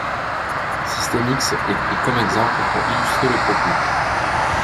SystemX est pris comme exemple pour illustrer le propos.